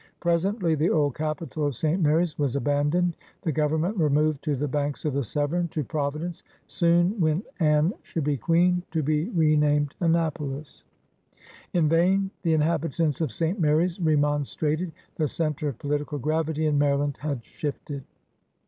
Presently the old capital of St. Mary's was abandoned. The government removed to the banks of the Severn, to Providence — soon, when^ Anne should be Queen, to be renamed Annapolis. 196 PIONEEBS OP THE OLD SOUTH In vain the inhabitants of St. Mary's remonstrated. The center of political gravity in Maryland had shifted.